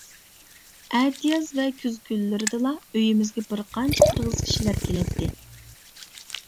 ئەتىياز ۋە كۈز كۈنلىرىدىلا ئۆيىمىزگە بىرقانچە قىرغىز كىشىلەر كېلەتتى.